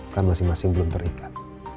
kan masing masing belum terikat